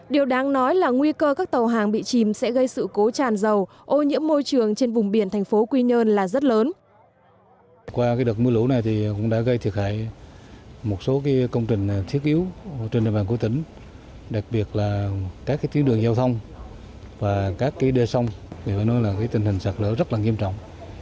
điều đáng nói là nguy cơ các tàu hàng bị chìm sẽ gây sự cố tràn dầu ô nhiễm môi trường trên vùng biển thành phố quy nhơn là rất lớn